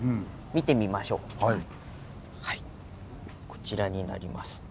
こちらになります。